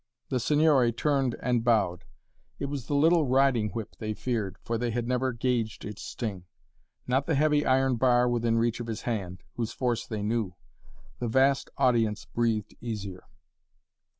The Signore turned and bowed. It was the little riding whip they feared, for they had never gauged its sting. Not the heavy iron bar within reach of his hand, whose force they knew. The vast audience breathed easier.